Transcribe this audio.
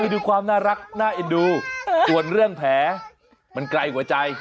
นี่ดูความน่ารักน่าเอ็ดดูถ้าเรื่องแผนมันใกล้กว่าใจ